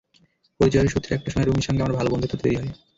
পরিচয়ের সূত্রে একটা সময় রুমির সঙ্গে আমার ভালো বন্ধুত্ব তৈরি হয়।